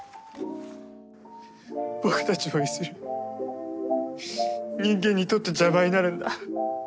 僕たちもいずれ人間にとって邪魔になるんだ。